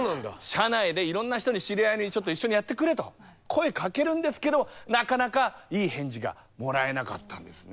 社内でいろんな人に知り合いにちょっと一緒にやってくれと声かけるんですけどなかなかいい返事がもらえなかったんですね。